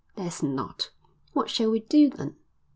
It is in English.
"There's not." "What shall we do then?"